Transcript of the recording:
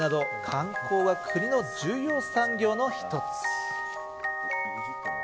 観光は国の重要産業の一つ。